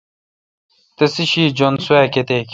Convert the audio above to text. تسےشی جّن سوا کیتک۔